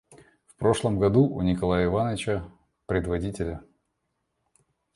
В прошлом году у Николая Ивановича, предводителя.